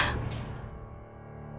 kamu harus kuat demi anak kamu ya